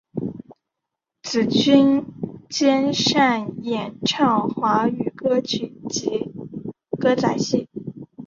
紫君兼擅演唱华语歌曲及歌仔戏。